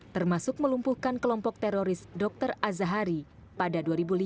termasuk melumpuhkan kelompok teroris dr azahari pada dua ribu lima